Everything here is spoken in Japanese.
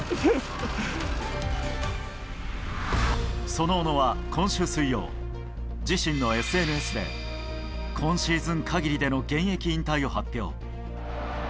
その小野は、今週水曜、自身のＳＮＳで、今シーズン限りでの現役引退を発表。